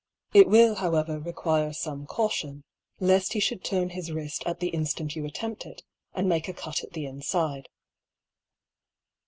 It will however re quire fome caution, left he ihould turn his wrift bX the inftant you attempt it, and make a cut at the mfide.